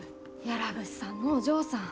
屋良物産のお嬢さん。